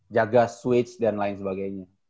jaga switch dan lain sebagainya